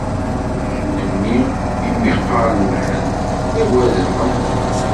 Uccen-nni iwmi qqaren Mḥend, d awadem ameqqran.